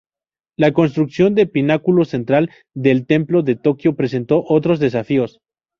La construcción de pináculo central del templo de Tokio presentó otros desafíos.